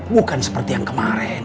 bukan seperti yang kemarin